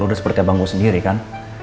udah seperti abang gue sendiri kan